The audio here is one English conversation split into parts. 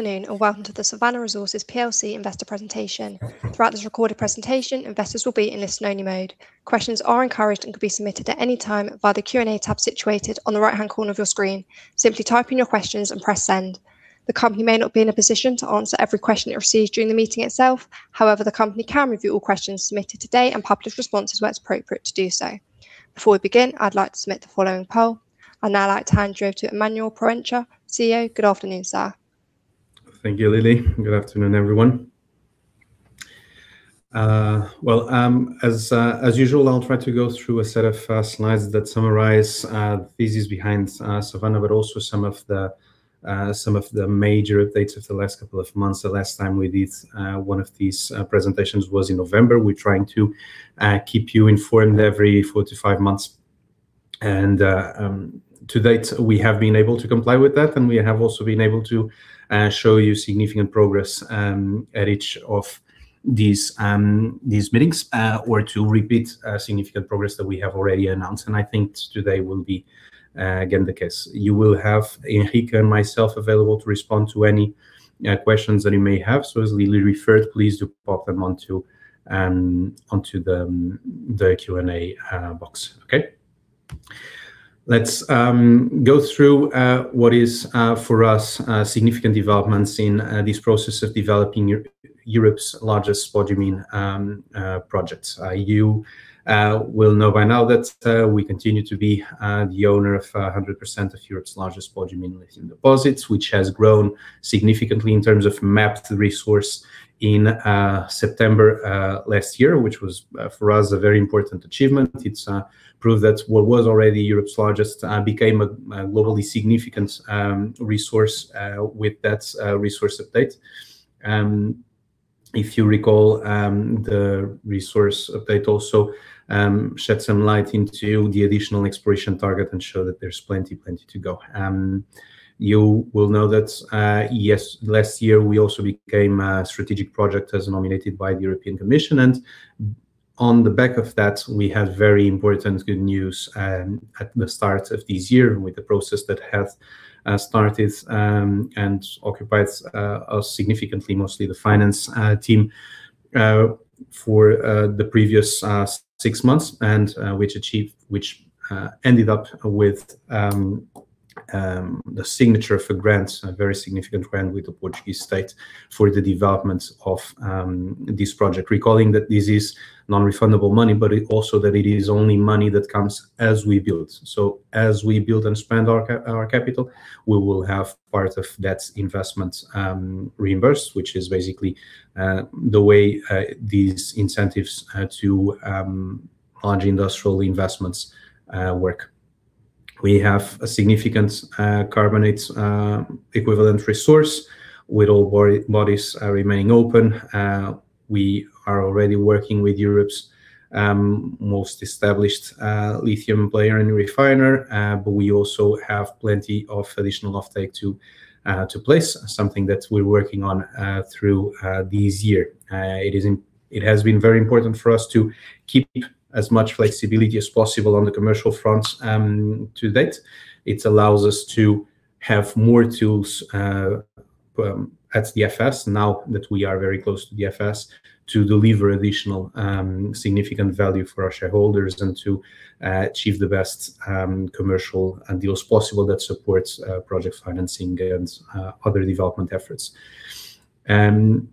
Good afternoon, and welcome to the Savannah Resources Plc Investor Presentation. Throughout this recorded presentation, investors will be in listen-only mode. Questions are encouraged and can be submitted at any time via the Q&A tab situated on the right-hand corner of your screen. Simply type in your questions and press send. The company may not be in a position to answer every question it receives during the meeting itself. However, the company can review all questions submitted today and publish responses where it's appropriate to do so. Before we begin, I'd like to submit the following poll. I'd now like to hand you over to Emanuel Proença, CEO. Good afternoon, sir. Thank you, Lily. Good afternoon, everyone. Well, as usual, I'll try to go through a set of slides that summarize the thesis behind Savannah, but also some of the major updates of the last couple of months. The last time we did one of these presentations was in November. We're trying to keep you informed every four to five months. To date, we have been able to comply with that, and we have also been able to show you significant progress at each of these meetings or to repeat significant progress that we have already announced. I think today will be, again, the case. You will have Henrique and myself available to respond to any questions that you may have. As Lily referred, please do pop them onto the Q&A box. Okay? Let's go through what is, for us, significant developments in this process of developing Europe's largest spodumene projects. You will know by now that we continue to be the owner of 100% of Europe's largest spodumene lithium deposits, which has grown significantly in terms of mapped resource in September last year, which was, for us, a very important achievement. It's proved that what was already Europe's largest became a globally significant resource with that resource update. If you recall, the resource update also shed some light into the additional exploration target and show that there's plenty to go. You will know that, yes, last year we also became a strategic project as nominated by the European Commission, and on the back of that, we had very important good news at the start of this year with the process that has started and occupied us significantly, mostly the finance team for the previous six months, and which ended up with the signature for grants, a very significant grant with the Portuguese state for the development of this project. Recalling that this is non-refundable money, but also that it is only money that comes as we build. As we build and spend our capital, we will have part of that investment reimbursed, which is basically the way these incentives to large industrial investments work. We have a significant carbonates equivalent resource with all bodies remaining open. We are already working with Europe's most established lithium player and refiner. We also have plenty of additional offtake to place, something that we're working on through this year. It has been very important for us to keep as much flexibility as possible on the commercial front to date. It allows us to have more tools at DFS, now that we are very close to DFS, to deliver additional significant value for our shareholders and to achieve the best commercial deals possible that supports project financing and other development efforts. You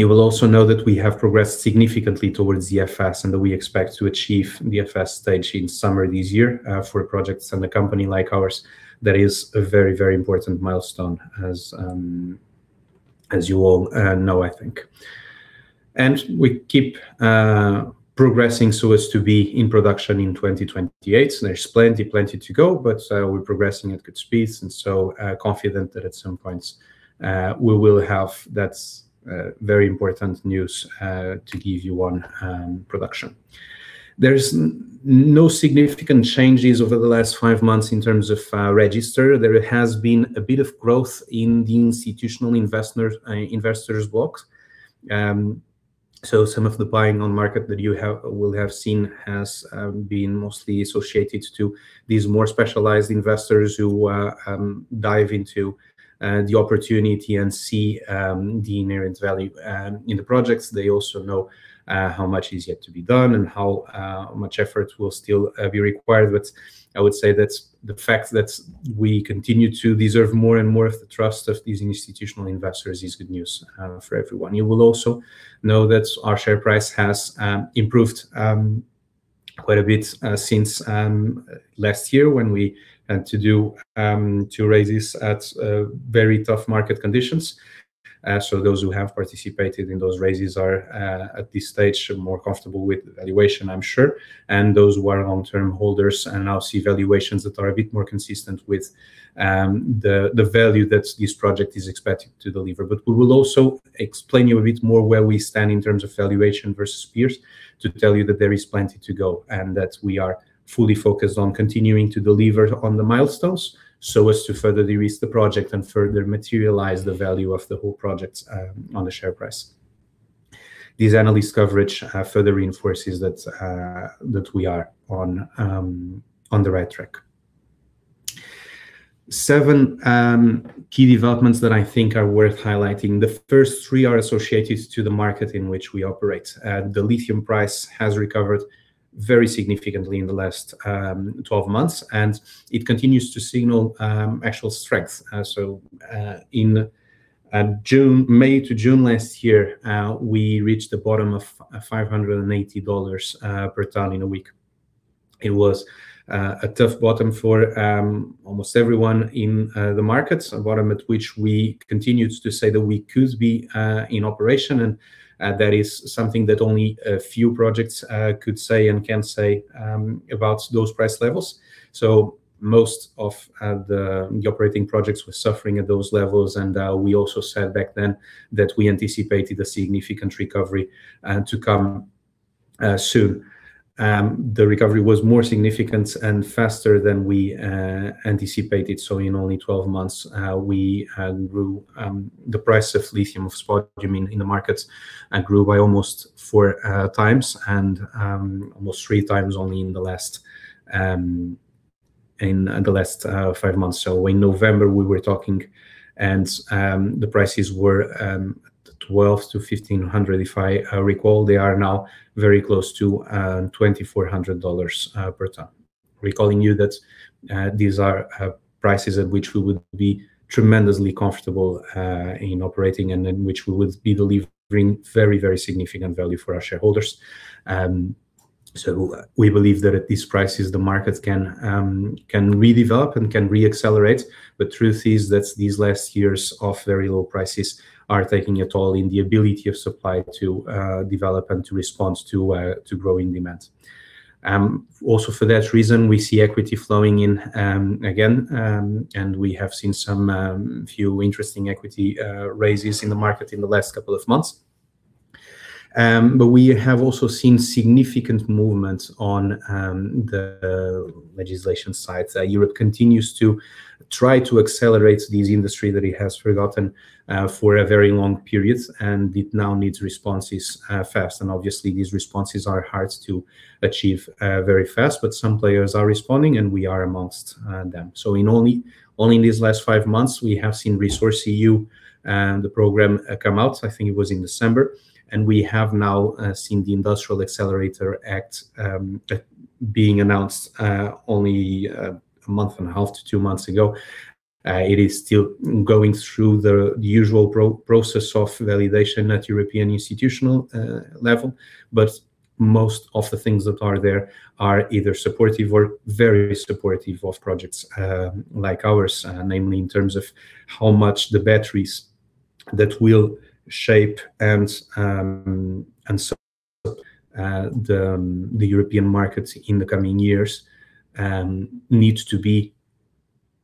will also know that we have progressed significantly towards DFS, and that we expect to achieve DFS stage in summer this year. For projects and a company like ours, that is a very important milestone, as you all know, I think. We keep progressing so as to be in production in 2028. There's plenty to go, but we're progressing at good speeds, and we're so confident that at some point, we will have that very important news to give you on production. There's no significant changes over the last five months in terms of register. There has been a bit of growth in the institutional investors' blocks. Some of the buying on market that you will have seen has been mostly associated to these more specialized investors who dive into the opportunity and see the inherent value in the projects. They also know how much is yet to be done and how much effort will still be required. I would say that the fact that we continue to deserve more and more of the trust of these institutional investors is good news for everyone. You will also know that our share price has improved quite a bit since last year when we had to do two raises at very tough market conditions. Those who have participated in those raises are at this stage more comfortable with the valuation, I'm sure. Those who are long-term holders and now see valuations that are a bit more consistent with the value that this project is expected to deliver. We will also explain to you a bit more where we stand in terms of valuation versus peers to tell you that there is plenty to go and that we are fully focused on continuing to deliver on the milestones so as to further de-risk the project and further materialize the value of the whole project on the share price. This analyst coverage further reinforces that we are on the right track. Seven key developments that I think are worth highlighting. The first three are associated to the market in which we operate. The lithium price has recovered very significantly in the last 12 months, and it continues to signal actual strength. In May to June last year, we reached the bottom of $580 per ton in a week. It was a tough bottom for almost everyone in the markets. A bottom at which we continued to say that we could be in operation, and that is something that only a few projects could say and can say about those price levels. Most of the operating projects were suffering at those levels and we also said back then that we anticipated a significant recovery to come soon. The recovery was more significant and faster than we anticipated. In only 12 months, the price of lithium of spodumene in the markets grew by almost four times, and almost three times only in the last five months. In November, we were talking, and the prices were $1,200-$1,500, if I recall. They are now very close to $2,400 per ton. Recalling you that these are prices at which we would be tremendously comfortable in operating and in which we would be delivering very, very significant value for our shareholders. We believe that at these prices, the markets can redevelop and can re-accelerate. The truth is that these last years of very low prices are taking a toll in the ability of supply to develop and to respond to growing demands. Also, for that reason, we see equity flowing in again. We have seen a few interesting equity raises in the market in the last couple of months. We have also seen significant movements on the legislation side, that Europe continues to try to accelerate this industry that it has forgotten for very long periods, and it now needs responses fast. Obviously, these responses are hard to achieve very fast, but some players are responding, and we are amongst them. Only in these last five months, we have seen RESourceEU, the program, come out, I think it was in December. We have now seen the Industrial Accelerator Act being announced only 1.5 month to two months ago. It is still going through the usual process of validation at European institutional level, but most of the things that are there are either supportive or very supportive of projects like ours, namely in terms of how much the batteries that will shape the European markets in the coming years needs to be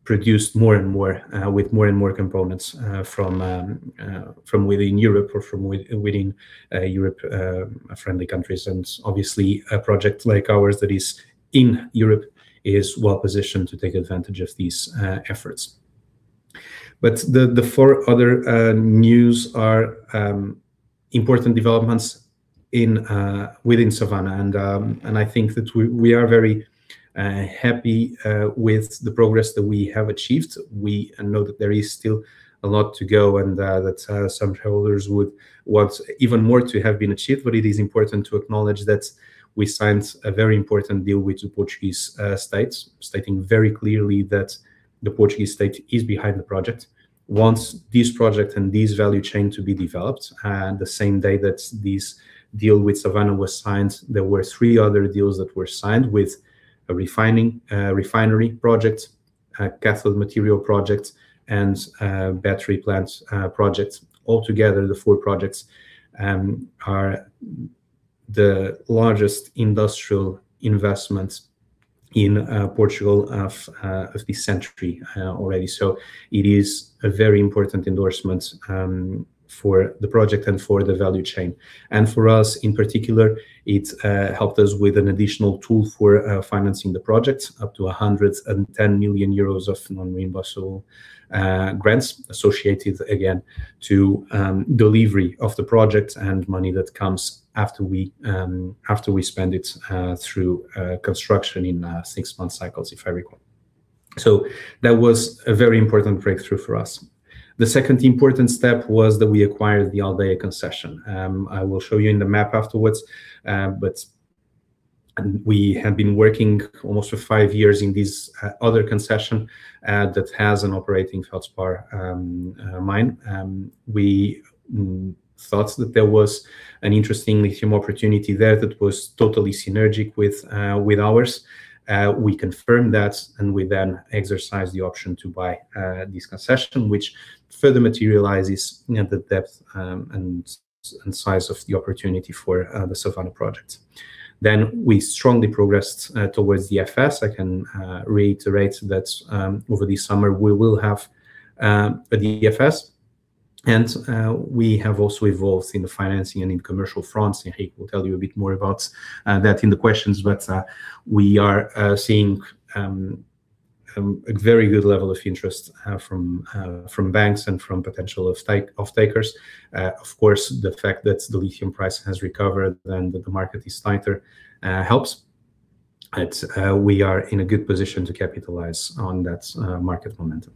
produced more and more, with more and more components from within Europe or from within Europe-friendly countries. Obviously a project like ours that is in Europe is well-positioned to take advantage of these efforts. The four other news are important developments within Savannah. I think that we are very happy with the progress that we have achieved. We know that there is still a lot to go, and that some shareholders would want even more to have been achieved. It is important to acknowledge that we signed a very important deal with the Portuguese states, stating very clearly that the Portuguese state is behind the project, wants this project and this value chain to be developed. The same day that this deal with Savannah was signed, there were three other deals that were signed with a refinery project, a cathode material project, and a battery plant project. Altogether, the four projects are the largest industrial investments in Portugal of this century already. It is a very important endorsement for the project and for the value chain. For us, in particular, it helped us with an additional tool for financing the project, up to 110 million euros of non-reimbursable grants associated again to delivery of the project and money that comes after we spend it through construction in six-month cycles, if I recall. That was a very important breakthrough for us. The second important step was that we acquired the Aldeia concession. I will show you in the map afterwards, but we have been working almost for five years in this other concession that has an operating feldspar mine. We thought that there was an interesting lithium opportunity there that was totally synergic with ours. We confirmed that, and we then exercised the option to buy this concession, which further materializes the depth and size of the opportunity for the Savannah project. We strongly progressed towards DFS. I can reiterate that over the summer, we will have a DFS, and we have also evolved in the financing and in commercial fronts, and Henrique will tell you a bit more about that in the questions. We are seeing a very good level of interest from banks and from potential off-takers. Of course, the fact that the lithium price has recovered and that the market is tighter helps. We are in a good position to capitalize on that market momentum.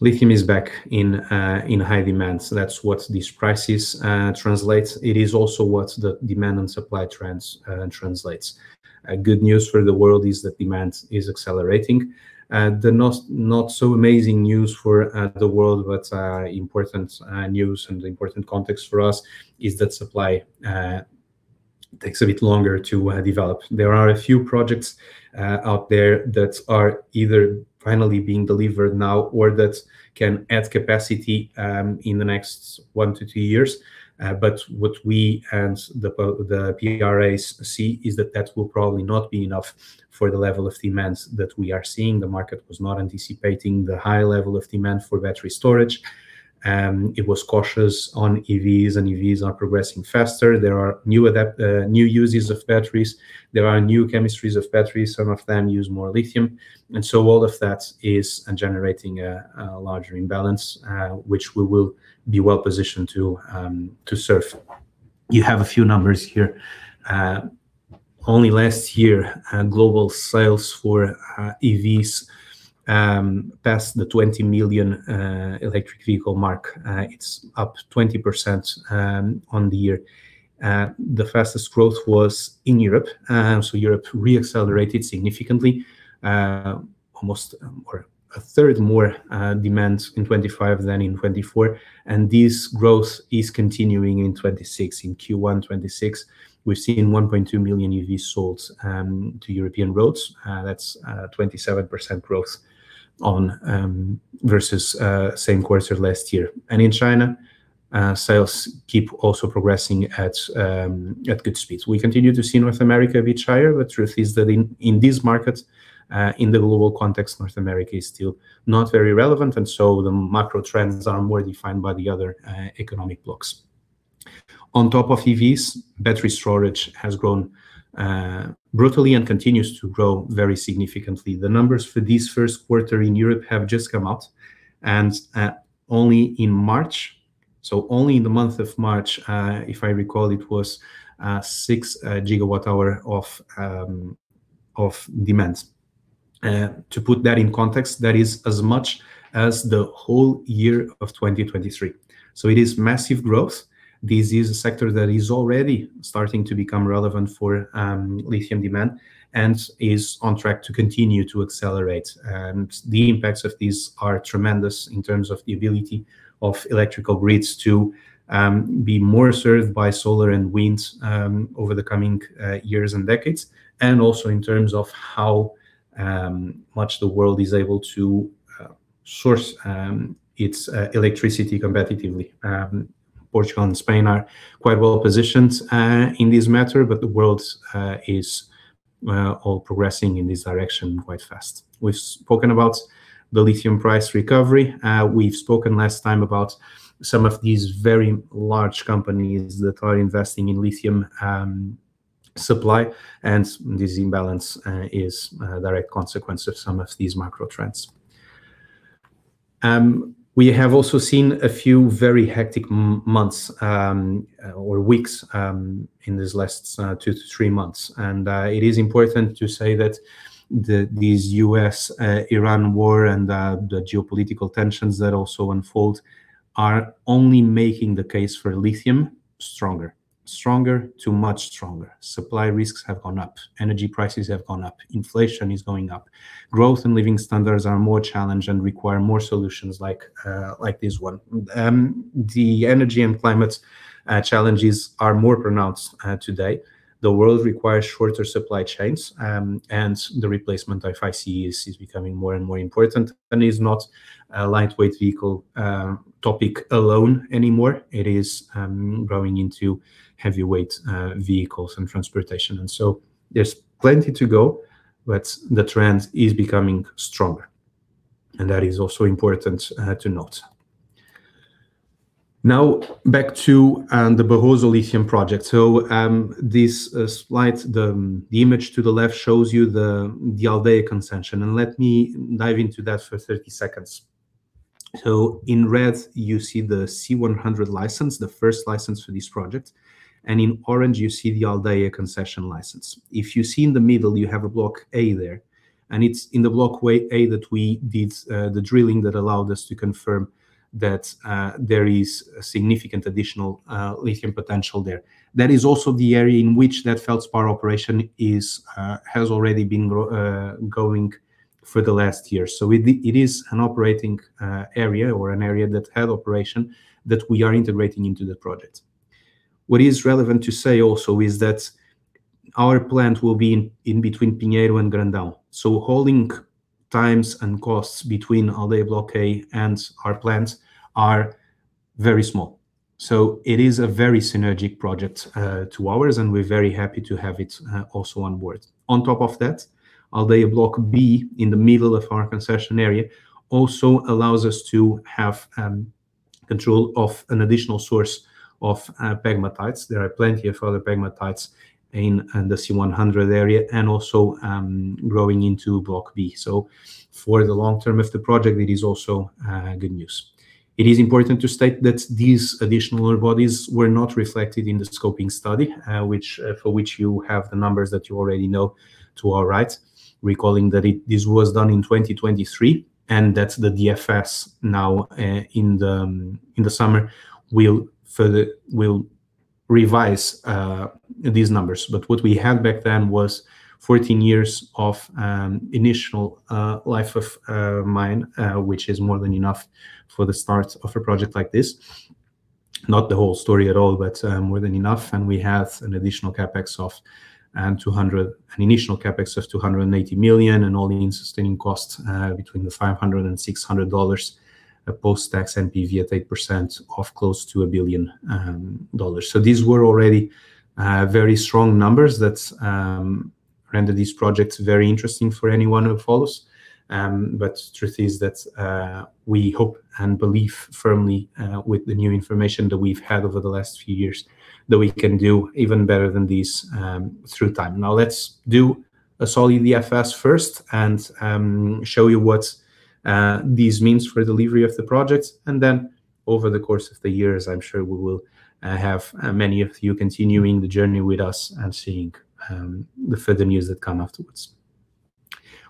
Lithium is back in high demand. That's what this price translates. It is also what the demand and supply trends translates. Good news for the world is that demand is accelerating. The not so amazing news for the world, but important news and important context for us is that supply takes a bit longer to develop. There are a few projects out there that are either finally being delivered now or that can add capacity in the next one to two years. What we and the PARAs see is that that will probably not be enough for the level of demand that we are seeing. The market was not anticipating the high level of demand for battery storage. It was cautious on EVs, and EVs are progressing faster. There are new uses of batteries. There are new chemistries of batteries. Some of them use more lithium, and so all of that is generating a larger imbalance, which we will be well positioned to surf. You have a few numbers here. Only last year, global sales for EVs passed the 20 million electric vehicle mark. It's up 20% on the year. The fastest growth was in Europe, so Europe re-accelerated significantly, 1/3 more demand in 2025 than in 2024, and this growth is continuing in Q1 2026. We're seeing 1.2 million EVs sold to European roads. That's 27% growth versus same quarter last year. In China, sales keep also progressing at good speeds. We continue to see North America a bit higher, but truth is that in these markets, in the global context, North America is still not very relevant, and so the macro trends are more defined by the other economic blocks. On top of EVs, battery storage has grown brutally and continues to grow very significantly. The numbers for this first quarter in Europe have just come out, and only in March, so only in the month of March, if I recall, it was 6 GWh of demand. To put that in context, that is as much as the whole year of 2023. It is massive growth. This is a sector that is already starting to become relevant for lithium demand and is on track to continue to accelerate. The impacts of these are tremendous in terms of the ability of electrical grids to be more served by solar and wind over the coming years and decades, and also in terms of how much the world is able to source its electricity competitively. Portugal and Spain are quite well-positioned in this matter, but the world is all progressing in this direction quite fast. We've spoken about the lithium price recovery. We've spoken last time about some of these very large companies that are investing in lithium supply, and this imbalance is a direct consequence of some of these macro trends. We have also seen a few very hectic months or weeks in these last two to three months. It is important to say that these U.S.-Iran war and the geopolitical tensions that also unfold are only making the case for lithium stronger to much stronger. Supply risks have gone up, energy prices have gone up, inflation is going up. Growth and living standards are more challenged and require more solutions like this one. The energy and climate challenges are more pronounced today. The world requires shorter supply chains, and the replacement of ICE is becoming more and more important and is not a lightweight vehicle topic alone anymore. It is growing into heavyweight vehicles and transportation. There's plenty to go, but the trend is becoming stronger, and that is also important to note. Now back to the Barroso Lithium Project. These slides, the image to the left shows you the Aldeia concession, and let me dive into that for 30 seconds. In red, you see the C100 Licence, the first licence for this project, and in orange, you see the Aldeia concession licence. If you see in the middle, you have a Block A there, and it's in the Block A that we did the drilling that allowed us to confirm that there is significant additional lithium potential there. That is also the area in which that feldspar operation has already been going for the last year. It is an operating area or an area that had operation that we are integrating into the project. What is relevant to say also is that our plant will be in between Pinheiro and Grandão, so hauling times and costs between Aldeia Block A and our plants are very small. It is a very synergistic project to ours, and we're very happy to have it also on board. On top of that, Aldeia Block B in the middle of our concession area also allows us to have control of an additional source of pegmatites. There are plenty of other pegmatites in the C100 area and also growing into Block B. For the long term of the project, it is also good news. It is important to state that these additional ore bodies were not reflected in the Scoping Study, for which you have the numbers that you already know to our right. Recalling that this was done in 2023, and that the DFS now in the summer will revise these numbers. What we had back then was 14 years of initial life of mine, which is more than enough for the start of a project like this. Not the whole story at all, but more than enough. We have an initial CapEx of $280 million and all-in sustaining costs between $500 and $600, a post-tax NPV at 8% of close to $1 billion. These were already very strong numbers that's rendered these projects very interesting for anyone who follows. Truth is that we hope and believe firmly, with the new information that we've had over the last few years, that we can do even better than this through time. Now let's do a solid DFS first and show you what this means for delivery of the project. Then over the course of the years, I'm sure we will have many of you continuing the journey with us and seeing the further news that come afterwards.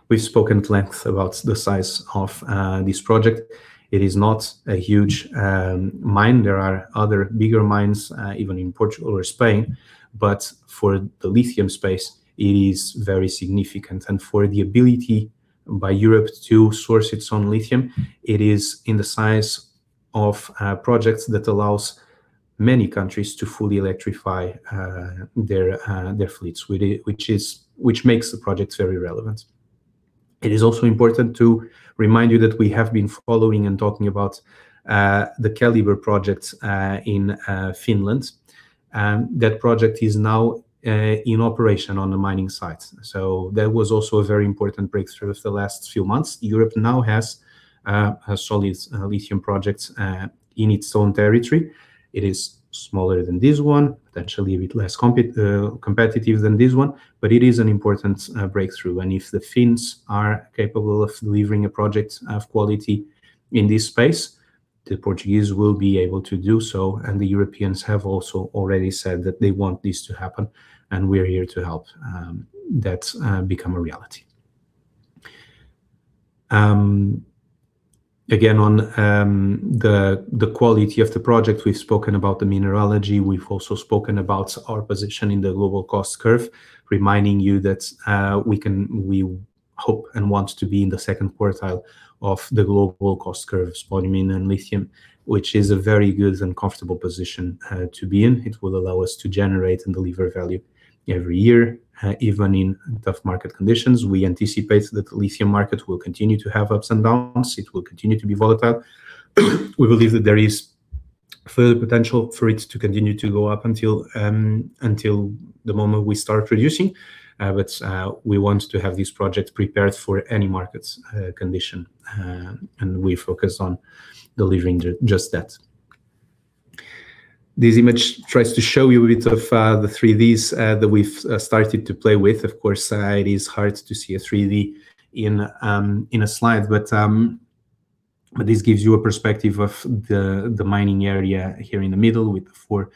We've spoken at length about the size of this project. It is not a huge mine. There are other bigger mines, even in Portugal or Spain. For the lithium space, it is very significant. For the ability by Europe to source its own lithium, it is in the size of projects that allows many countries to fully electrify their fleets, which makes the projects very relevant. It is also important to remind you that we have been following and talking about the Keliber Project in Finland. That project is now in operation on the mining site. That was also a very important breakthrough of the last few months. Europe now has a solid lithium project in its own territory. It is smaller than this one, potentially a bit less competitive than this one, but it is an important breakthrough. If the Finns are capable of delivering a project of quality in this space, the Portuguese will be able to do so. The Europeans have also already said that they want this to happen, and we're here to help that become a reality. Again, on the quality of the project, we've spoken about the mineralogy. We've also spoken about our position in the global cost curve, reminding you that we hope and want to be in the second quartile of the global cost curves, spodumene and lithium, which is a very good and comfortable position to be in. It will allow us to generate and deliver value every year, even in tough market conditions. We anticipate that the lithium market will continue to have ups and downs. It will continue to be volatile. We believe that there is further potential for it to continue to go up until the moment we start producing. We want to have these projects prepared for any market conditions, and we focus on delivering just that. This image tries to show you a bit of the 3Ds that we've started to play with. Of course, it is hard to see a 3D in a slide, but this gives you a perspective of the mining area here in the middle with the four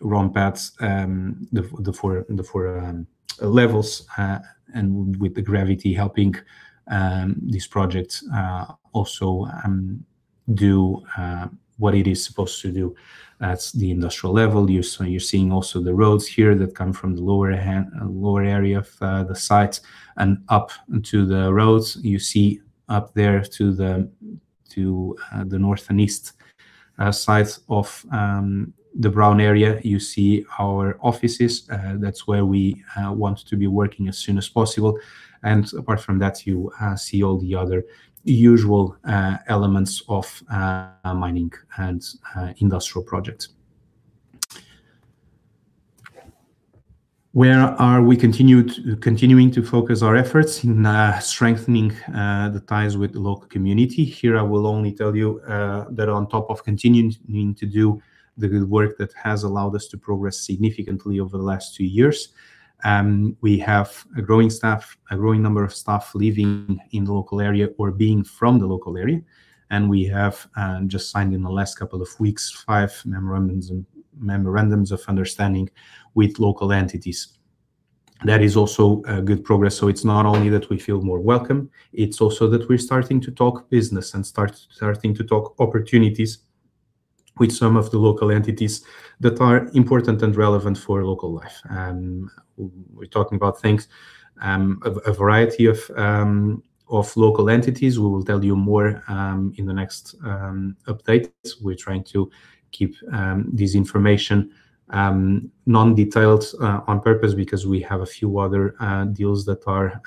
ramp paths, the four levels, and with the gravity helping these projects also do what it is supposed to do. That's the industrial level. You're seeing also the roads here that come from the lower area of the site and up to the roads you see up there to the North and East sides of the brown area. You see our offices. That's where we want to be working as soon as possible. Apart from that, you see all the other usual elements of mining and industrial projects. Where are we continuing to focus our efforts? In strengthening the ties with the local community. Here, I will only tell you that on top of continuing to do the good work that has allowed us to progress significantly over the last two years, we have a growing number of staff living in the local area or being from the local area, and we have just signed in the last couple of weeks, five memorandums of understanding with local entities. That is also a good progress. It's not only that we feel more welcome, it's also that we're starting to talk business and starting to talk opportunities with some of the local entities that are important and relevant for local life. We're talking about things, a variety of local entities. We will tell you more in the next updates. We're trying to keep this information non-detailed on purpose because we have a few other deals that are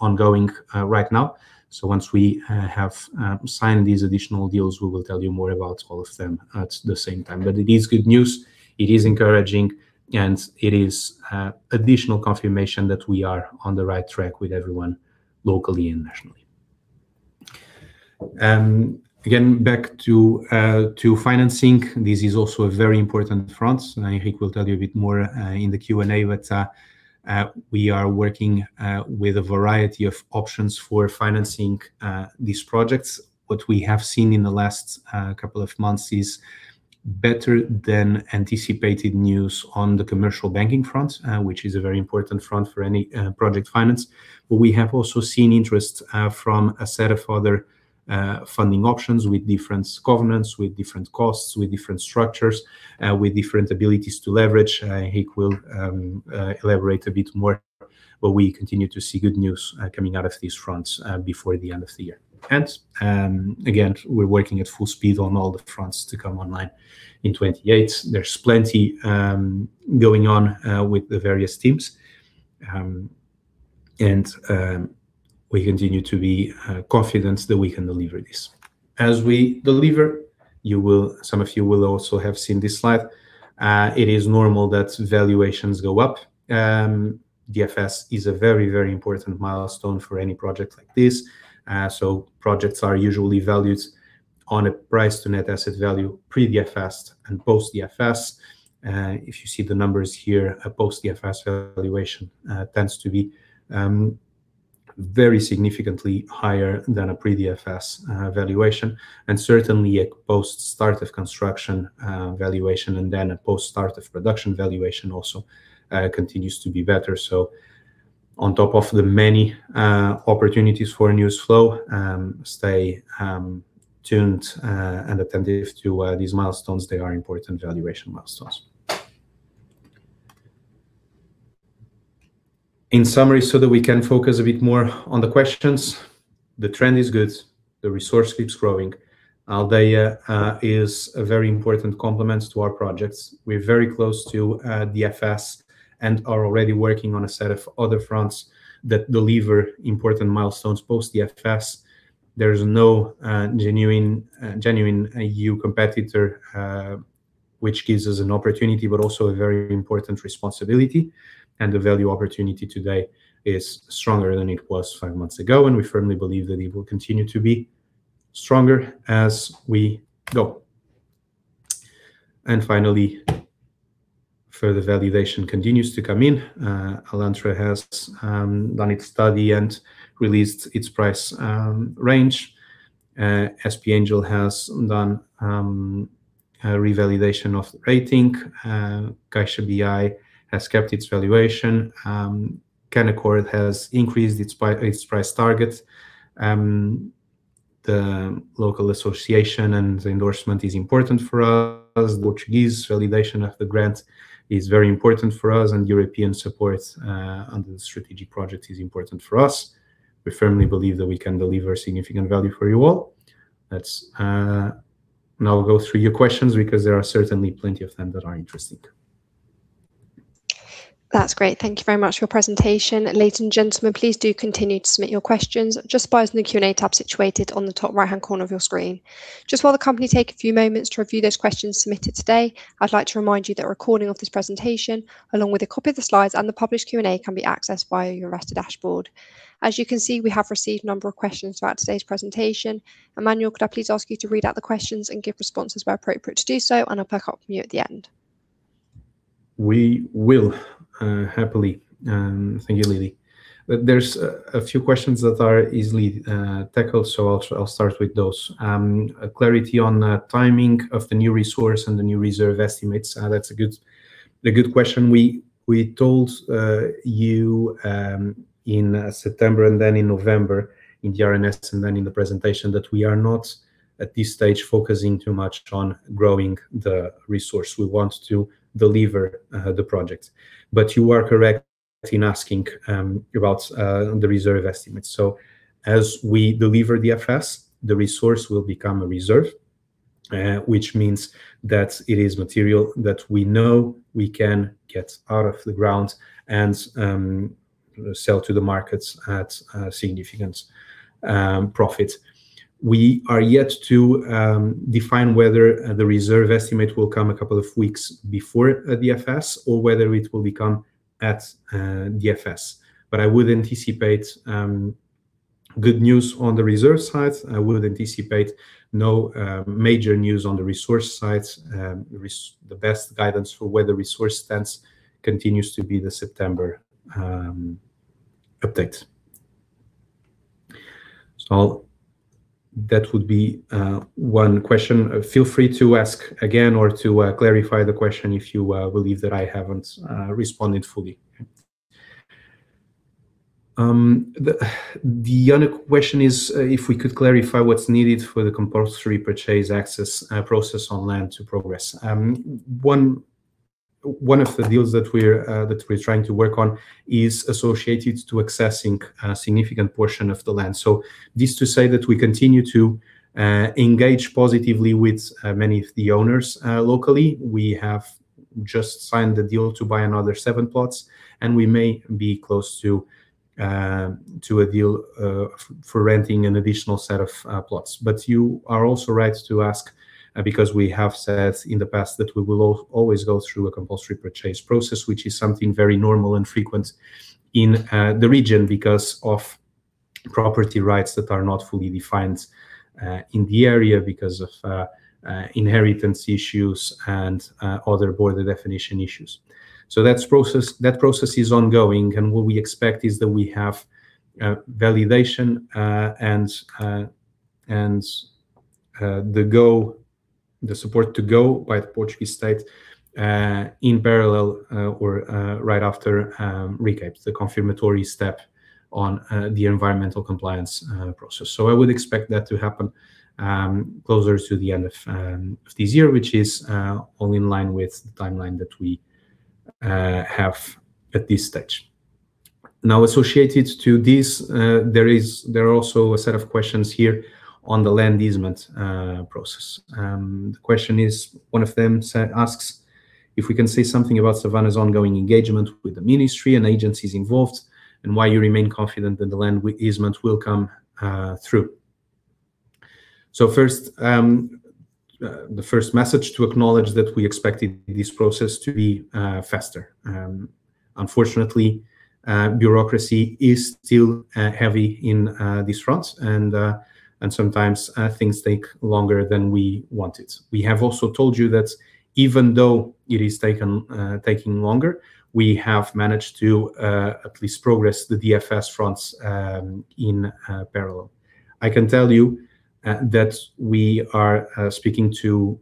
ongoing right now. Once we have signed these additional deals, we will tell you more about all of them at the same time. It is good news, it is encouraging, and it is additional confirmation that we are on the right track with everyone locally and nationally. Again, back to financing. This is also a very important front. Henrique will tell you a bit more in the Q&A, but we are working with a variety of options for financing these projects. What we have seen in the last couple of months is better than anticipated news on the commercial banking front, which is a very important front for any Project Finance. We have also seen interest from a set of other funding options with different governance, with different costs, with different structures, with different abilities to leverage. Henrique will elaborate a bit more, but we continue to see good news coming out of these fronts before the end of the year. Again, we're working at full speed on all the fronts to come online in 2028. There's plenty going on with the various teams. We continue to be confident that we can deliver this. As we deliver, some of you will also have seen this slide. It is normal that valuations go up. DFS is a very, very important milestone for any project like this. Projects are usually valued on a price to net asset value pre-DFS and post-DFS. If you see the numbers here, a post-DFS valuation tends to be very significantly higher than a pre-DFS valuation, and certainly a post Start of Construction valuation and then a post start of production valuation also continues to be better. On top of the many opportunities for news flow, stay tuned and attentive to these milestones. They are important valuation milestones. In summary, so that we can focus a bit more on the questions, the trend is good. The resource keeps growing. Aldeia is a very important complement to our projects. We're very close to DFS and are already working on a set of other fronts that deliver important milestones. Post DFS, there is no genuine EU competitor, which gives us an opportunity, but also a very important responsibility. The value opportunity today is stronger than it was five months ago, and we firmly believe that it will continue to be stronger as we go. Finally, further validation continues to come in. Alantra has done its study and released its price range. SP Angel has done a revalidation of rating. CaixaBI has kept its valuation. Canaccord has increased its price target. The local association and the endorsement is important for us. Portuguese validation of the grant is very important for us, and European supports under the strategic project is important for us. We firmly believe that we can deliver significant value for you all. I'll go through your questions because there are certainly plenty of them that are interesting. That's great. Thank you very much for your presentation. Ladies and gentlemen, please do continue to submit your questions just by using the Q&A tab situated on the top right-hand corner of your screen. Just while the company take a few moments to review those questions submitted today, I'd like to remind you that a recording of this presentation, along with a copy of the slides and the published Q&A, can be accessed via your investor dashboard. As you can see, we have received a number of questions throughout today's presentation. Emanuel, could I please ask you to read out the questions and give responses where appropriate to do so, and I'll pick up from you at the end. We will happily. Thank you, Lily. There's a few questions that are easily tackled, so I'll start with those. Clarity on the timing of the new resource and the new reserve estimates. That's a good question. We told you in September and then in November in the RNS and then in the presentation that we are not at this stage focusing too much on growing the resource. We want to deliver the project. You are correct in asking about the reserve estimates. As we deliver DFS, the resource will become a reserve, which means that it is material that we know we can get out of the ground and sell to the markets at significant profit. We are yet to define whether the reserve estimate will come a couple of weeks before the DFS or whether it will come at DFS. I would anticipate good news on the reserve side. I would anticipate no major news on the resource side. The best guidance for where the resource stands continues to be the September update. That would be one question. Feel free to ask again or to clarify the question if you believe that I haven't responded fully. The other question is if we could clarify what's needed for the compulsory purchase access process on land to progress. One of the deals that we're trying to work on is associated to accessing a significant portion of the land. This to say that we continue to engage positively with many of the owners locally. We have just signed the deal to buy another seven plots, and we may be close to a deal for renting an additional set of plots. You are also right to ask because we have said in the past that we will always go through a compulsory purchase process, which is something very normal and frequent in the region because of property rights that are not fully defined in the area because of inheritance issues and other border definition issues. That process is ongoing, and what we expect is that we have validation and the support to go by the Portuguese state in parallel or right after RECAPE, the confirmatory step on the environmental compliance process. I would expect that to happen closer to the end of this year, which is all in line with the timeline that we have at this stage. Now, associated to this, there are also a set of questions here on the land easement process. One of them asks if we can say something about Savannah's ongoing engagement with the ministry and agencies involved, and why you remain confident that the land easement will come through. The first message to acknowledge that we expected this process to be faster. Unfortunately, bureaucracy is still heavy in these fronts and sometimes things take longer than we wanted. We have also told you that even though it is taking longer, we have managed to at least progress the DFS fronts in parallel. I can tell you that we are speaking to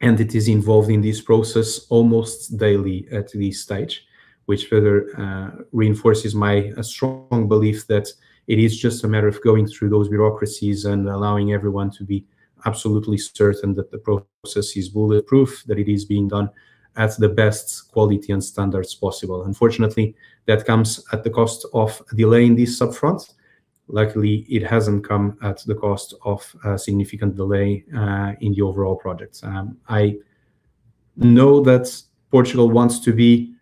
entities involved in this process almost daily at this stage, which further reinforces my strong belief that it is just a matter of going through those bureaucracies and allowing everyone to be absolutely certain that the process is bulletproof, that it is being done at the best quality and standards possible. Unfortunately, that comes at the cost of delaying these sub-fronts. Luckily, it hasn't come at the cost of a significant delay in the overall project. I know that Portugal wants to be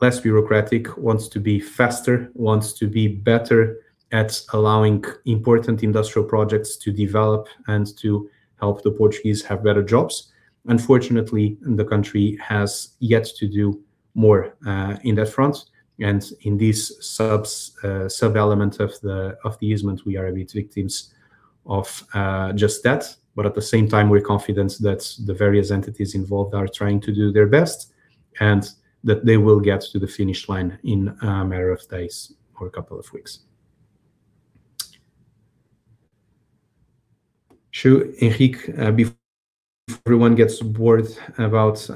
less bureaucratic, wants to be faster, wants to be better at allowing important industrial projects to develop and to help the Portuguese have better jobs. Unfortunately, the country has yet to do more in that front and in this sub-element of the easement, we are a bit victims of just that. At the same time, we're confident that the various entities involved are trying to do their best and that they will get to the finish line in a matter of days or a couple of weeks. Henrique, before everyone gets bored about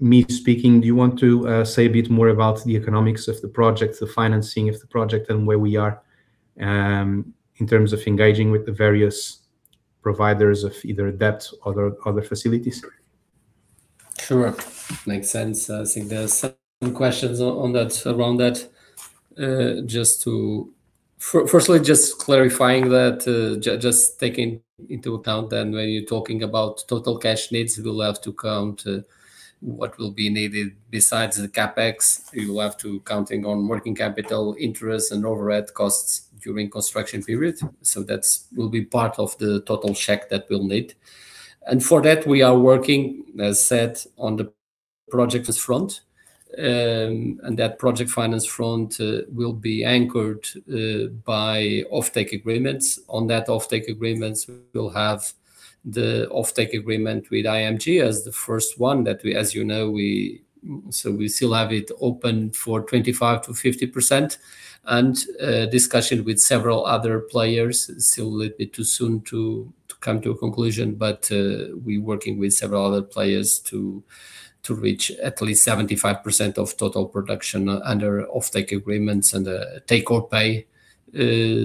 me speaking, do you want to say a bit more about the economics of the project, the financing of the project, and where we are in terms of engaging with the various providers of either debt or other facilities? Sure. Makes sense. I think there's some questions around that. Firstly, just clarifying that, just taking into account then when you're talking about total cash needs, we'll have to count what will be needed besides the CapEx. We will have to count in working capital interest and overhead costs during construction period, so that will be part of the total cheque that we'll need. For that, we are working, as said, on the Project Finance front. That Project Finance front will be anchored by offtake agreements. On that offtake agreements, we'll have the offtake agreement with AMG as the first one that we, as you know, we still have it open for 25%-50%. Discussion with several other players, still a little bit too soon to come to a conclusion. We're working with several other players to reach at least 75% of total production under offtake agreements and a take-or-pay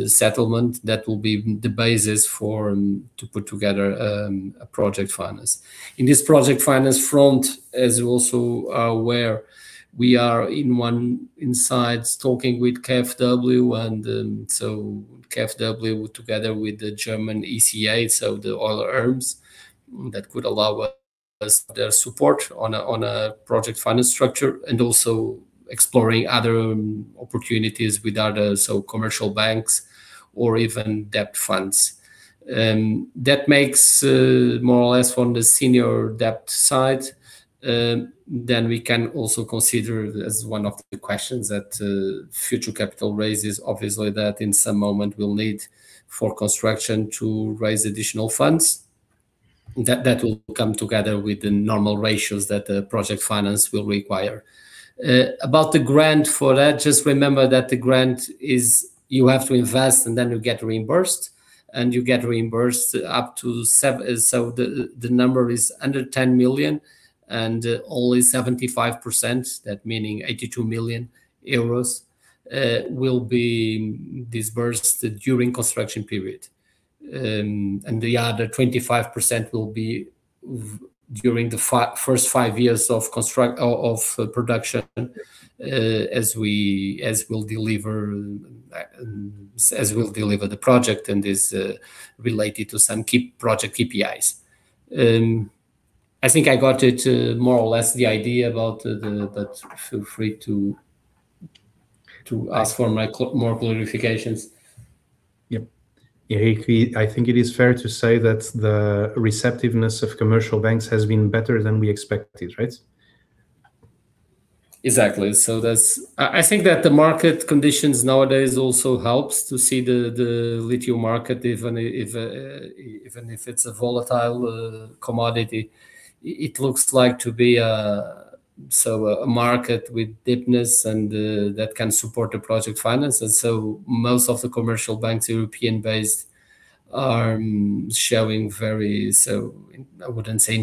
settlement that will be the basis to put together a Project Finance. In this Project Finance front, as you're also aware, we are in one inside, talking with KfW and so KfW together with the German ECA, so the other arms that could allow us their support on a Project Finance structure and also exploring other opportunities with other commercial banks or even debt funds. That makes more or less from the senior debt side. We can also consider as one of the questions that future capital raises, obviously, that at some moment we'll need for construction to raise additional funds. That will come together with the normal ratios that the Project Finance will require. About the grant for that, just remember that the grant is you have to invest and then you get reimbursed, and you get reimbursed up to the number is under 10 million and only 75%, that meaning 82 million euros, will be disbursed during construction period. The other 25% will be during the first five years of production as we'll deliver the project and is related to some project KPIs. I think I got it more or less the idea about that. Feel free to ask for more clarifications. Yep. Henrique, I think it is fair to say that the receptiveness of commercial banks has been better than we expected, right? Exactly. I think that the market conditions nowadays also helps to see the lithium market, even if it's a volatile commodity. It looks like to be a market with deepness and that can support the Project Finances. Most of the commercial banks, European-based, are showing very, I wouldn't say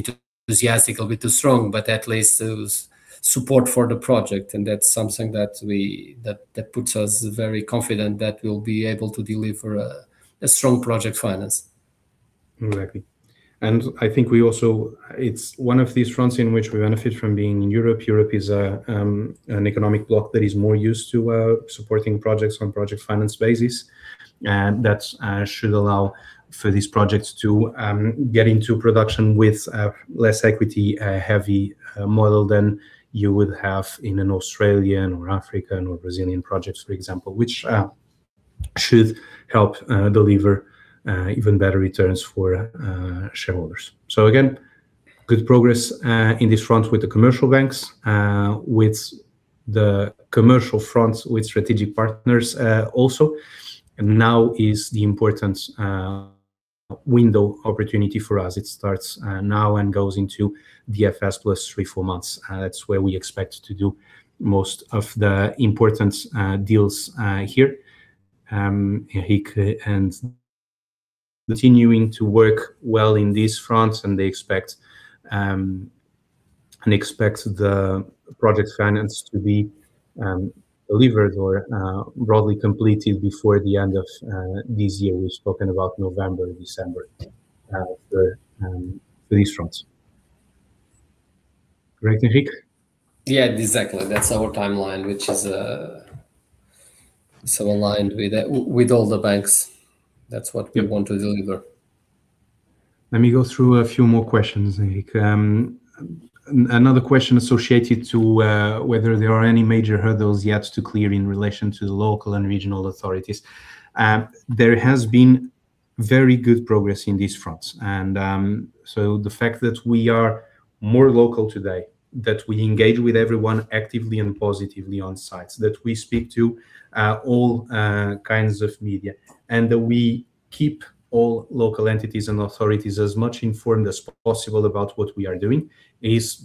enthusiastic, a bit too strong, but at least there is support for the project and that's something that puts us very confident that we'll be able to deliver a strong Project Finance. All right. I think it's one of these fronts in which we benefit from being in Europe. Europe is an economic bloc that is more used to supporting projects on Project Finance basis. That should allow for these projects to get into production with a less equity-heavy model than you would have in an Australian or African or Brazilian projects, for example. Which should help deliver even better returns for shareholders. Again, good progress in this front with the commercial banks, with the commercial fronts, with strategic partners, also. Now is the important window opportunity for us. It starts now and goes into DFS plus three, four months. That's where we expect to do most of the important deals here. Henrique and continuing to work well in these fronts and they expect the Project Finance to be delivered or broadly completed before the end of this year. We've spoken about November, December, for these fronts. Correct, Henrique? Yeah, exactly. That's our timeline, which is aligned with all the banks. That's what we want to deliver. Let me go through a few more questions, Henrique. Another question associated to whether there are any major hurdles yet to clear in relation to the local and regional authorities. There has been very good progress in these fronts and so the fact that we are more local today, that we engage with everyone actively and positively on sites, that we speak to all kinds of media, and that we keep all local entities and authorities as much informed as possible about what we are doing, is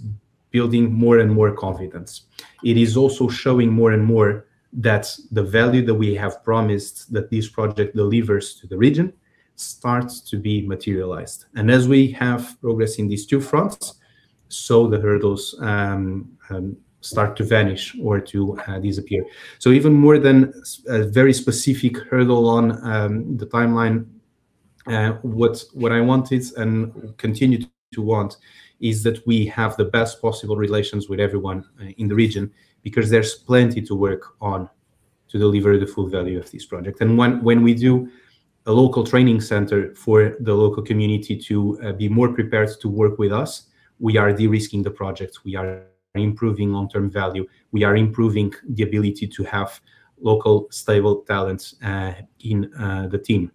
building more and more confidence. It is also showing more and more that the value that we have promised that this project delivers to the region starts to be materialized. As we have progress in these two fronts, so the hurdles start to vanish or to disappear. Even more than a very specific hurdle on the timeline, what I wanted and continue to want is that we have the best possible relations with everyone in the region because there's plenty to work on to deliver the full value of this project. When we do a local training center for the local community to be more prepared to work with us, we are de-risking the project. We are improving long-term value. We are improving the ability to have local, stable talents in the team.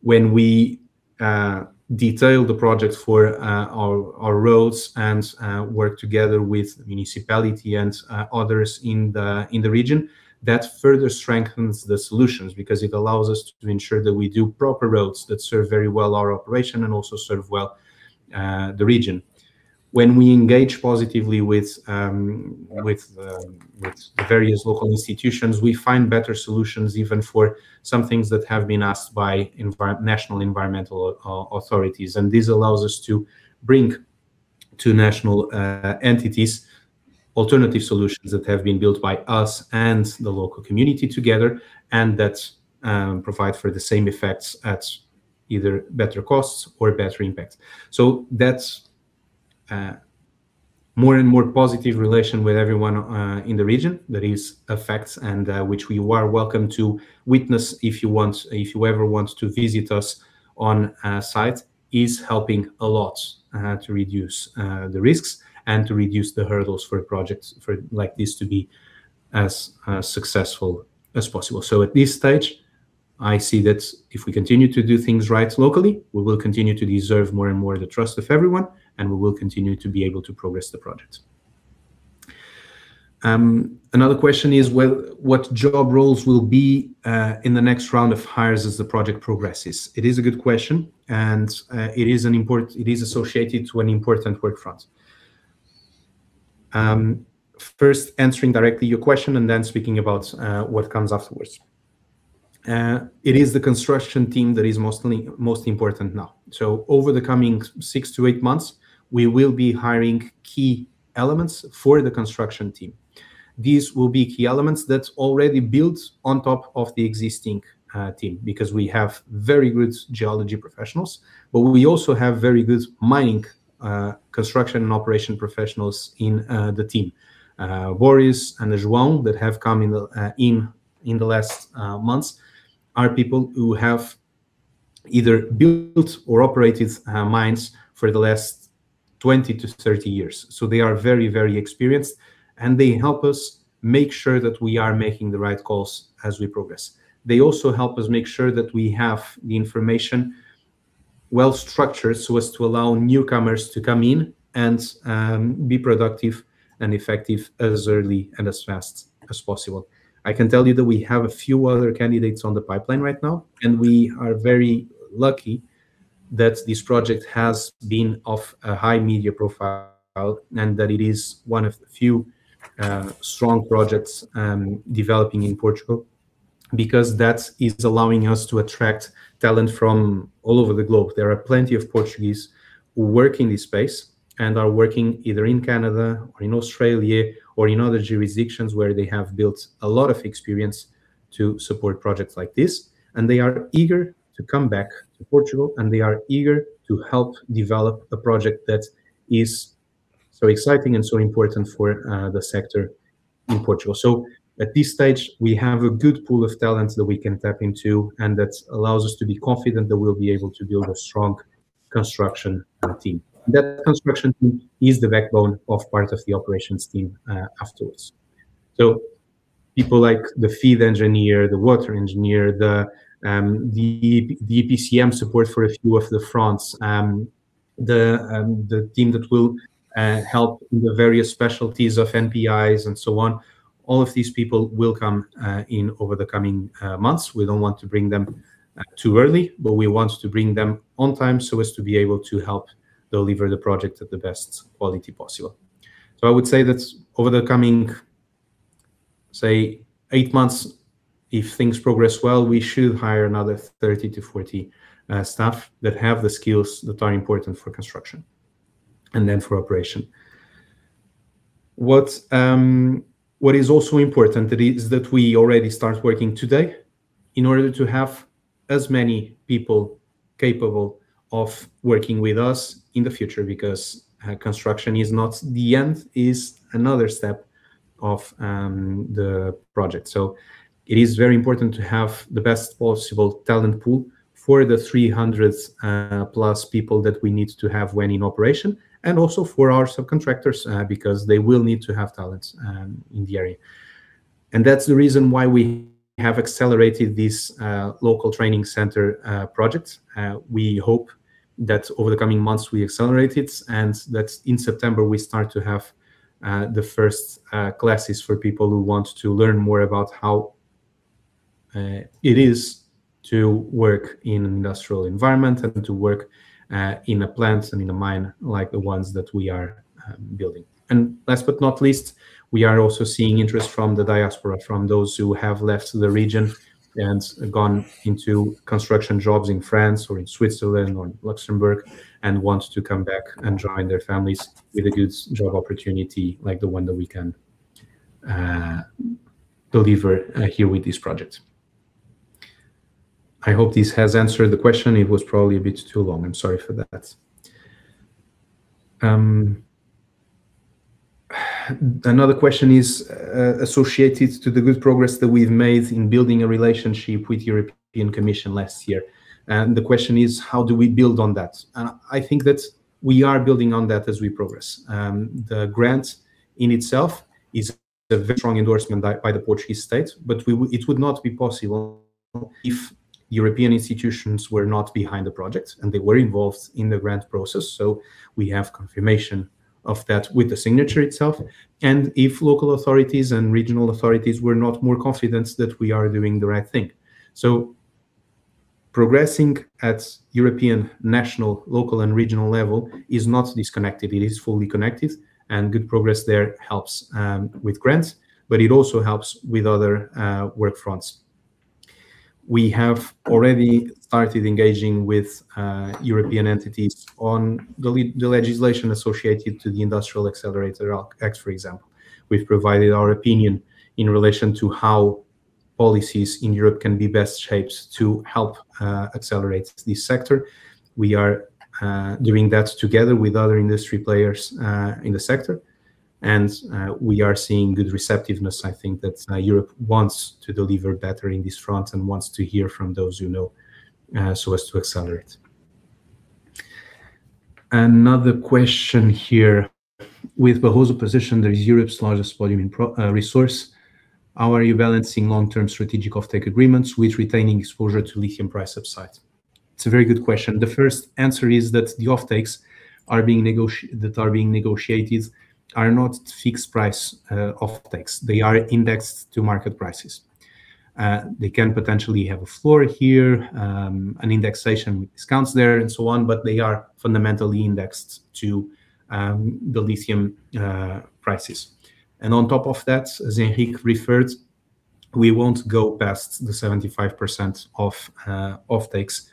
When we detail the project for our roads and work together with municipality and others in the region, that further strengthens the solutions because it allows us to ensure that we do proper roads that serve very well our operation and also serve well the region. When we engage positively with the various local institutions, we find better solutions even for some things that have been asked by national environmental authorities. This allows us to bring to national entities alternative solutions that have been built by us and the local community together, and that provide for the same effects at either better costs or better impacts. That's more and more positive relation with everyone in the region. That is the effect which we are welcome to witness if you ever want to visit us on site, is helping a lot to reduce the risks and to reduce the hurdles for projects like this to be as successful as possible. At this stage, I see that if we continue to do things right locally, we will continue to deserve more and more the trust of everyone, and we will continue to be able to progress the project. Another question is, what job roles will be in the next round of hires as the project progresses? It is a good question and it is associated to an important work front. First, answering directly your question and then speaking about what comes afterwards. It is the construction team that is most important now. Over the coming six to eight months, we will be hiring key elements for the construction team. These will be key elements that already build on top of the existing team, because we have very good geology professionals, but we also have very good mining, construction, and operation professionals in the team. Boris and João, that have come in the last months, are people who have either built or operated mines for the last 20 years-30 years. They are very, very experienced, and they help us make sure that we are making the right calls as we progress. They also help us make sure that we have the information well-structured so as to allow newcomers to come in and be productive and effective as early and as fast as possible. I can tell you that we have a few other candidates on the pipeline right now, and we are very lucky that this project has been of a high media profile and that it is one of the few strong projects developing in Portugal, because that is allowing us to attract talent from all over the globe. There are plenty of Portuguese who work in this space and are working either in Canada or in Australia or in other jurisdictions where they have built a lot of experience to support projects like this, and they are eager to come back to Portugal, and they are eager to help develop a project that is so exciting and so important for the sector in Portugal. At this stage, we have a good pool of talents that we can tap into, and that allows us to be confident that we'll be able to build a strong construction team. That construction team is the backbone of part of the operations team afterwards. People like the feed engineer, the water engineer, the EPCM support for a few of the fronts, the team that will help in the various specialties of NPIs and so on, all of these people will come in over the coming months. We don't want to bring them too early, but we want to bring them on time so as to be able to help deliver the project at the best quality possible. I would say that over the coming, say, eight months, if things progress well, we should hire another 30-40 staff that have the skills that are important for construction and then for operation. What is also important is that we already start working today in order to have as many people capable of working with us in the future, because construction is not the end, is another step of the project. It is very important to have the best possible talent pool for the 300+ people that we need to have when in operation and also for our subcontractors, because they will need to have talents in the area. That's the reason why we have accelerated this local training center project. We hope that over the coming months, we accelerate it, and that in September we start to have the first classes for people who want to learn more about how it is to work in an industrial environment and to work in a plant and in a mine like the ones that we are building. Last but not least, we are also seeing interest from the diaspora, from those who have left the region and gone into construction jobs in France or in Switzerland or in Luxembourg and want to come back and join their families with a good job opportunity like the one that we can deliver here with this project. I hope this has answered the question. It was probably a bit too long. I'm sorry for that. Another question is associated to the good progress that we've made in building a relationship with European Commission last year. The question is: How do we build on that? I think that we are building on that as we progress. The grant in itself is a very strong endorsement by the Portuguese state, but it would not be possible if European institutions were not behind the project and they were involved in the grant process and if local authorities and regional authorities were not more confident that we are doing the right thing. We have confirmation of that with the signature itself. Progressing at European, national, local, and regional level is not disconnected. It is fully connected and good progress there helps with grants, but it also helps with other work fronts. We have already started engaging with European entities on the legislation associated to the Industrial Accelerator Act, for example. We've provided our opinion in relation to how policies in Europe can be best shaped to help accelerate this sector. We are doing that together with other industry players in the sector, and we are seeing good receptiveness. I think that Europe wants to deliver better in this front and wants to hear from those who know so as to accelerate. Another question here: With Barroso position, the Europe's largest volume in resource. How are you balancing long-term strategic offtake agreements with retaining exposure to lithium price upside? It's a very good question. The first answer is that the offtakes that are being negotiated are not fixed price offtakes. They are indexed to market prices. They can potentially have a floor here, an indexation with discounts there, and so on, but they are fundamentally indexed to the lithium prices. On top of that, as Henrique referred, we won't go past the 75% of offtakes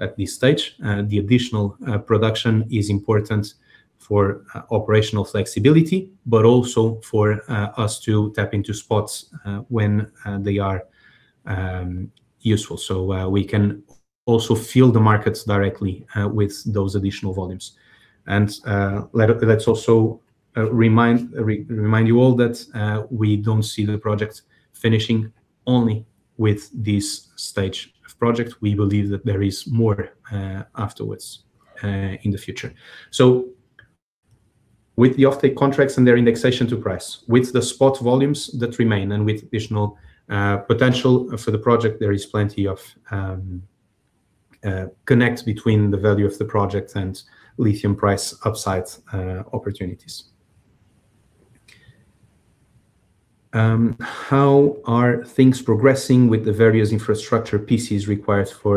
at this stage. The additional production is important for operational flexibility, but also for us to tap into spots when they are useful. We can also fill the markets directly with those additional volumes. Let's also remind you all that we don't see the project finishing only with this stage of project. We believe that there is more afterwards in the future. With the offtake contracts and their indexation to price, with the spot volumes that remain, and with additional potential for the project, there is plenty of connection between the value of the project and lithium price upside opportunities. How are things progressing with the various infrastructure pieces required for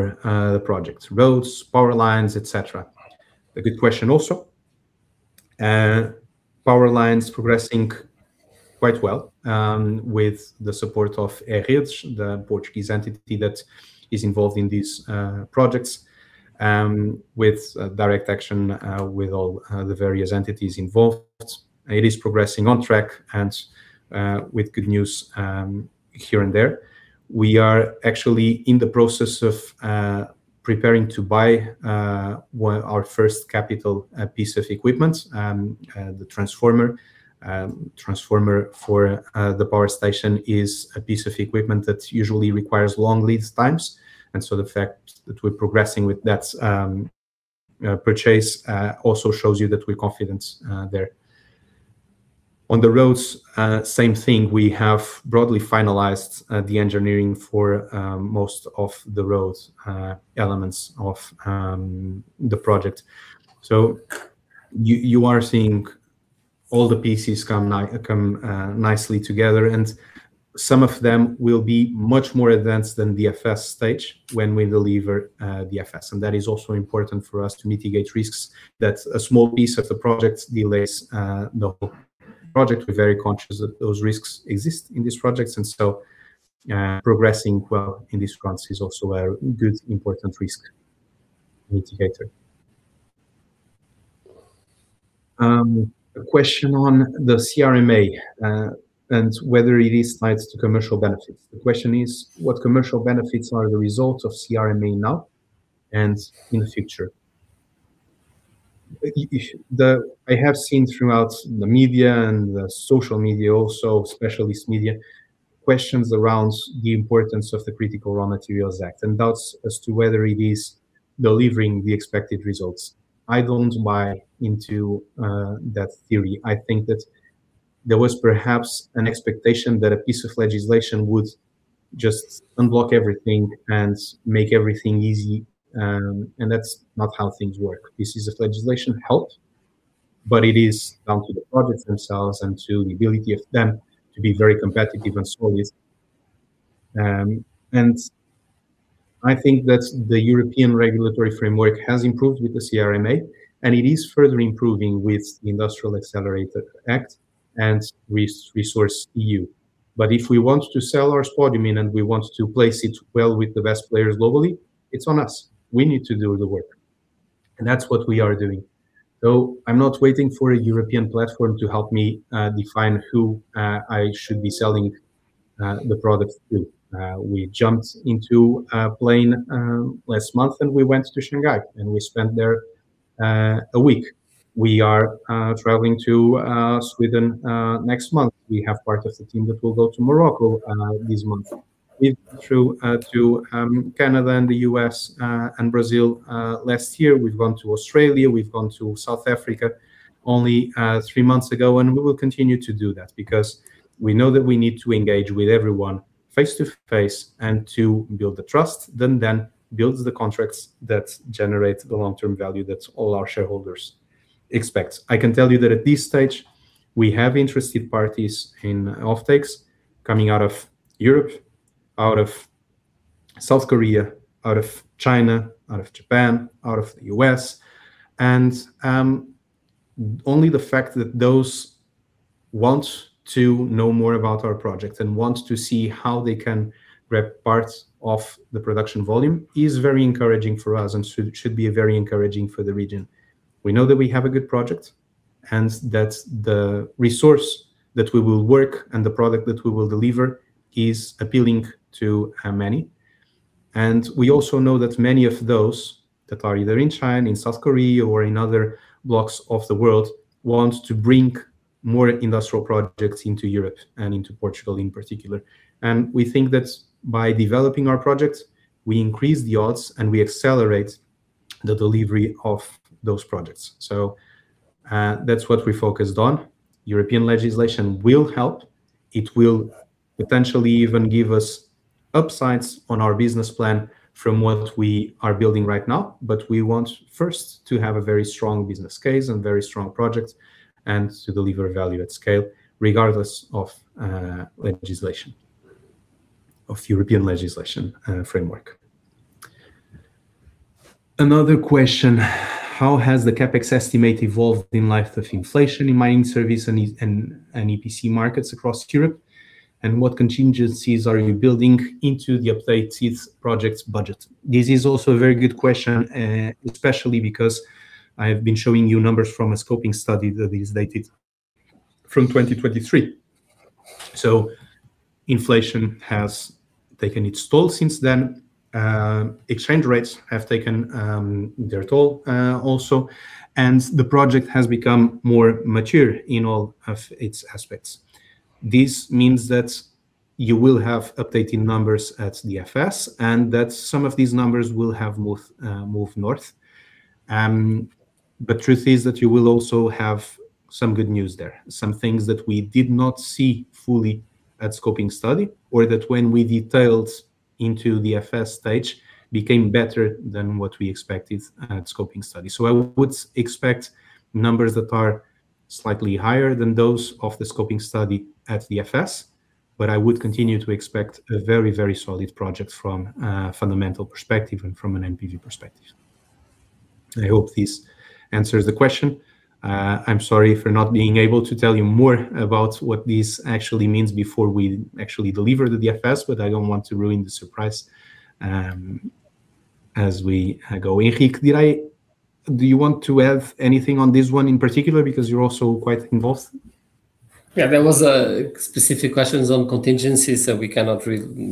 the project, roads, power lines, et cetera? A good question also. Power lines progressing quite well with the support of E-REDES, the Portuguese entity that is involved in these projects, with direct action with all the various entities involved. It is progressing on track and with good news here and there. We are actually in the process of preparing to buy our first capital piece of equipment, the transformer. Transformer for the power station is a piece of equipment that usually requires long lead times, and so the fact that we're progressing with that purchase also shows you that we're confident there. On the roads, same thing. We have broadly finalized the engineering for most of the roads elements of the project. So you are seeing all the pieces come nicely together, and some of them will be much more advanced than the FS stage when we deliver the FS. That is also important for us to mitigate risks, that a small piece of the project delays the whole project. We're very conscious that those risks exist in these projects, and so progressing well in this front is also a good, important risk mitigator. A question on the CRMA and whether it is tied to commercial benefits. The question is, what commercial benefits are the result of CRMA now and in the future? I have seen throughout the media and the social media also, specialist media, questions around the importance of the Critical Raw Materials Act and doubts as to whether it is delivering the expected results. I don't buy into that theory. I think that there was perhaps an expectation that a piece of legislation would just unblock everything and make everything easy, and that's not how things work. Pieces of legislation help, but it is down to the projects themselves and to the ability of them to be very competitive and so easy. I think that the European regulatory framework has improved with the CRMA, and it is further improving with the Industrial Accelerator Act and RESourceEU. If we want to sell our spodumene, and we want to place it well with the best players globally, it's on us. We need to do the work, and that's what we are doing. I'm not waiting for a European platform to help me define who I should be selling the product to. We jumped into a plane last month and we went to Shanghai, and we spent there a week. We are traveling to Sweden next month. We have part of the team that will go to Morocco this month. We've been to Canada and the U.S. and Brazil last year. We've gone to Australia. We've gone to South Africa only three months ago, and we will continue to do that because we know that we need to engage with everyone face-to-face and to build the trust, that then builds the contracts that generate the long-term value that all our shareholders expect. I can tell you that at this stage, we have interested parties in offtakes coming out of Europe, out of South Korea, out of China, out of Japan, out of the U.S. Only the fact that those want to know more about our project and want to see how they can grab parts of the production volume is very encouraging for us and should be very encouraging for the region. We know that we have a good project and that the resource that we will work and the product that we will deliver is appealing to many. We also know that many of those that are either in China, in South Korea, or in other blocks of the world, want to bring more industrial projects into Europe and into Portugal in particular. We think that by developing our projects, we increase the odds, and we accelerate the delivery of those projects. That's what we're focused on. European legislation will help. It will potentially even give us upsides on our business plan from what we are building right now, but we want first to have a very strong business case and very strong project and to deliver value at scale regardless of legislation, of European legislation framework. Another question, how has the CapEx estimate evolved in light of inflation in mining service and EPC markets across Europe, and what contingencies are you building into the updated project's budget? This is also a very good question, especially because I have been showing you numbers from a Scoping Study that is dated from 2023. Inflation has taken its toll since then. Exchange rates have taken their toll also, and the project has become more mature in all of its aspects. This means that you will have updating numbers at DFS, and that some of these numbers will have moved north. Truth is that you will also have some good news there, some things that we did not see fully at Scoping Study, or that when we detailed into the FS stage became better than what we expected at Scoping Study. I would expect numbers that are slightly higher than those of the Scoping Study at the FS, but I would continue to expect a very solid project from a fundamental perspective and from an NPV perspective. I hope this answers the question. I'm sorry for not being able to tell you more about what this actually means before we actually deliver the DFS, but I don't want to ruin the surprise as we go. Henrique, do you want to add anything on this one in particular because you're also quite involved? Yeah. There were specific questions on contingencies that we cannot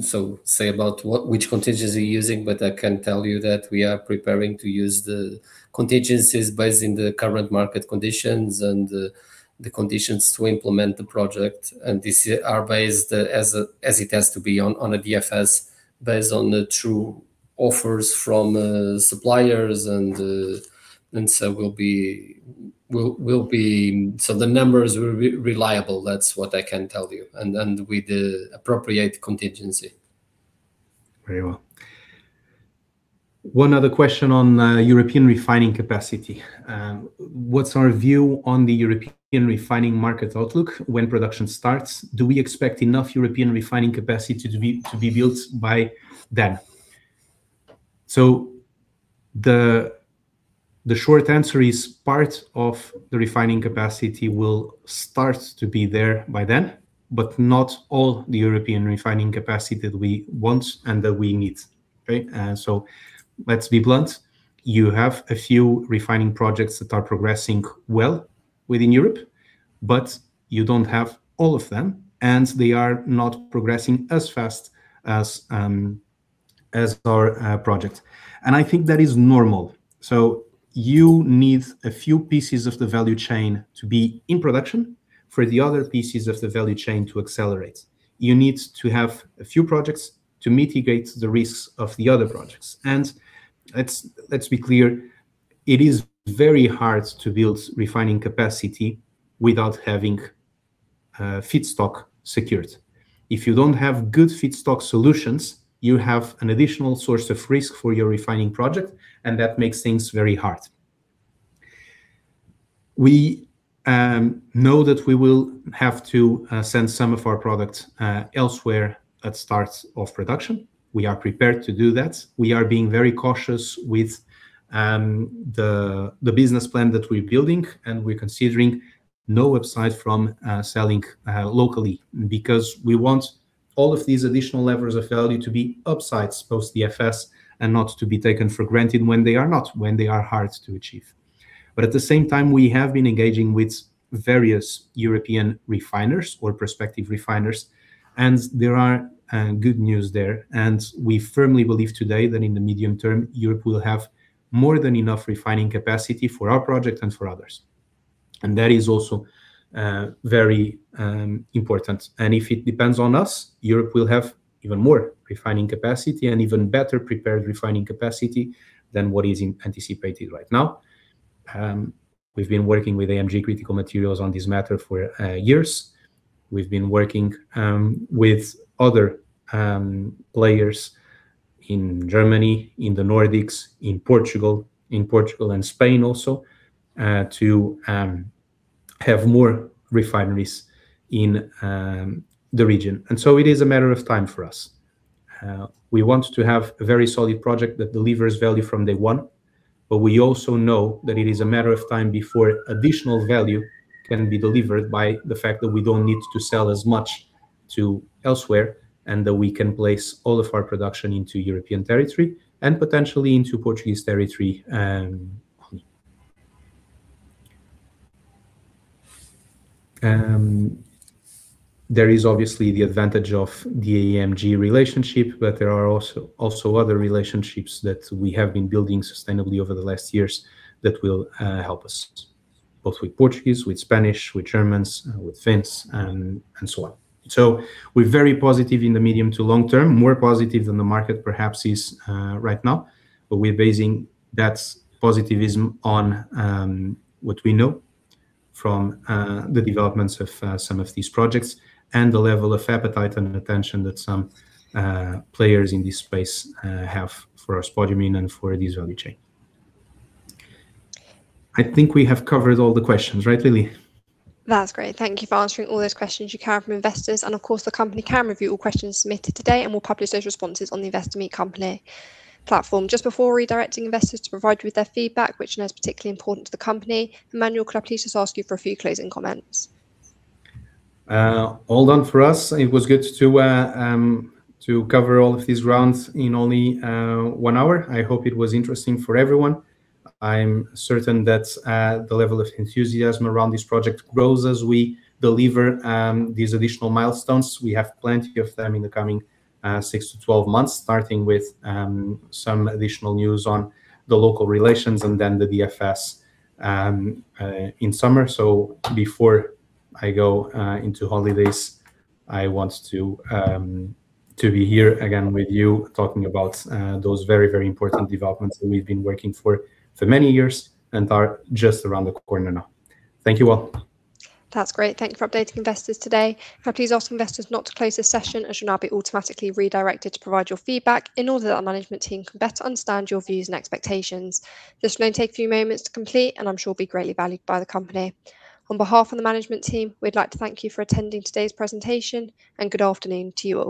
so say about which contingency you're using, but I can tell you that we are preparing to use the contingencies based on the current market conditions and the conditions to implement the project. These are based, as it has to be on a DFS, based on the true offers from suppliers. The numbers were reliable, that's what I can tell you, and with the appropriate contingency. Very well. One other question on European refining capacity. What's our view on the European refining market outlook when production starts? Do we expect enough European refining capacity to be built by then? The short answer is, part of the refining capacity will start to be there by then, but not all the European refining capacity that we want and that we need. Right? Let's be blunt. You have a few refining projects that are progressing well within Europe, but you don't have all of them, and they are not progressing as fast as our project. I think that is normal. You need a few pieces of the value chain to be in production for the other pieces of the value chain to accelerate. You need to have a few projects to mitigate the risks of the other projects. Let's be clear, it is very hard to build refining capacity without having feedstock secured. If you don't have good feedstock solutions, you have an additional source of risk for your refining project, and that makes things very hard. We know that we will have to send some of our products elsewhere at start of production. We are prepared to do that. We are being very cautious with the business plan that we're building, and we're considering no upside from selling locally because we want all of these additional levers of value to be upsides post DFS and not to be taken for granted when they are not, when they are hard to achieve. At the same time, we have been engaging with various European refiners or prospective refiners, and there are good news there. We firmly believe today that in the medium term, Europe will have more than enough refining capacity for our project and for others. That is also very important. If it depends on us, Europe will have even more refining capacity and even better prepared refining capacity than what is anticipated right now. We've been working with AMG Critical Materials on this matter for years. We've been working with other players in Germany, in the Nordics, in Portugal, and Spain also, to have more refineries in the region. It is a matter of time for us. We want to have a very solid project that delivers value from day one, but we also know that it is a matter of time before additional value can be delivered by the fact that we don't need to sell as much to elsewhere, and that we can place all of our production into European territory and potentially into Portuguese territory. There is obviously the advantage of the AMG relationship, but there are also other relationships that we have been building sustainably over the last years that will help us, both with Portuguese, with Spanish, with Germans, with Finns, and so on. We're very positive in the medium to long term, more positive than the market perhaps is right now. We're basing that positivism on what we know from the developments of some of these projects and the level of appetite and attention that some players in this space have for spodumene and for this value chain. I think we have covered all the questions. Right, Lily? That's great. Thank you for answering all those questions you have from investors. Of course, the company can review all questions submitted today and will publish those responses on the Investor Meet Company platform. Just before redirecting investors to provide you with their feedback, which I know is particularly important to the company, Emanuel, could I please just ask you for a few closing comments? All done for us. It was good to cover all of these rounds in only one hour. I hope it was interesting for everyone. I'm certain that the level of enthusiasm around this project grows as we deliver these additional milestones. We have plenty of them in the coming six to 12 months, starting with some additional news on the local relations and then the DFS in summer. Before I go into holidays, I want to be here again with you talking about those very important developments that we've been working for for many years and are just around the corner now. Thank you all. That's great. Thank you for updating investors today. Can I please ask investors not to close this session as you'll now be automatically redirected to provide your feedback in order that our management team can better understand your views and expectations. This will only take a few moments to complete and I'm sure will be greatly valued by the company. On behalf of the management team, we'd like to thank you for attending today's presentation, and good afternoon to you all.